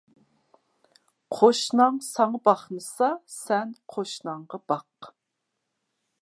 قوشناڭ ساڭا باقمىسا، سەن قوشناڭغا باق.